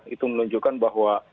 itu menunjukkan bahwa